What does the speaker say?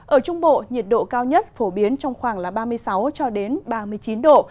ở trung bộ nhiệt độ cao nhất phổ biến trong khoảng ba mươi sáu ba mươi chín độ